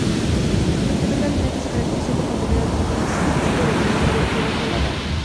Su primer gabinete se caracterizó por mantener al ministro de Economía Roberto Lavagna.